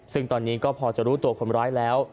ซึ่งตอนนี้ก็พอจะรู้ตัวคนร้ายแล้ว